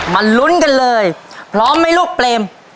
ลุ้นกันเลยพร้อมไหมลูกเปรม